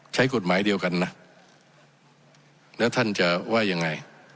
ใช้กฎหมายเดียวกันนะแล้วท่านจะว่ายังไง